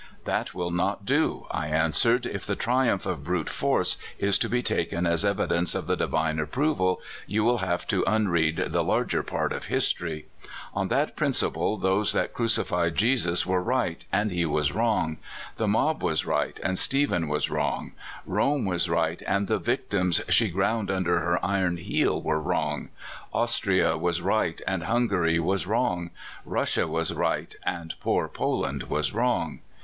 " That will not do," I answered ;" if the triumph of brute force is to be taken as evidence of the I^ivine approval, you will have to unread the larger part of history. On that principle, those lliat crucified Jesus were right, and he was wrong; tlie mob was right, and Stephen was wrong; Eonie was right, and the victims she grounc^ under her .'ron heel were wrong; Austria was right, and Hun gary was wrong; Russia was right, and poor Po« land was wrong.